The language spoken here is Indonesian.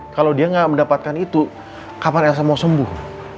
kalau dia nggak mendapatkan itu kapan elsa mau sembuh